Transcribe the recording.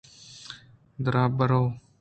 درابرو